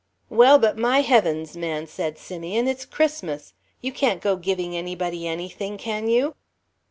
"Well, but my heavens, man!" said Simeon, "it's Christmas! You can't go giving anybody anything, can you?"